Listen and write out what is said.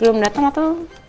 belum dateng atau